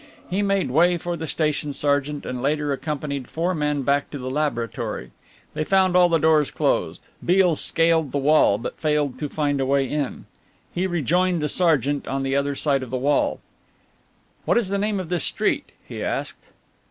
He made way for the station sergeant and later accompanied four men back to the laboratory. They found all the doors closed. Beale scaled the wall but failed to find a way in. He rejoined the sergeant on the other side of the wall. "What is the name of this street?" he asked.